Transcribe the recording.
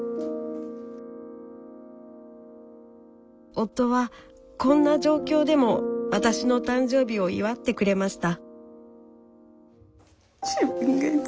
夫はこんな状況でも私の誕生日を祝ってくれました。